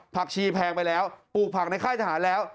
ผักชีแพงไปแล้วปลูกผักในค่ายทหารแล้ว